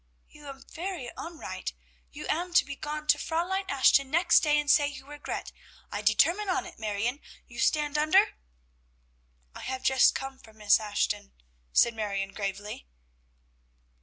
You am very onright. You am to be gone to Fräulein Ashton next day and say you regret; I determine on it! Marione, you stand under?" "I have just come from Miss Ashton," said Marion gravely.